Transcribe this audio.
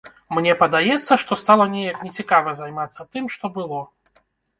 Мне падаецца, што стала неяк не цікава займацца тым, што было.